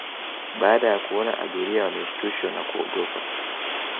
Baada ya kuona abiria wameshtushwa na kuogopa